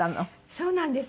そうなんです。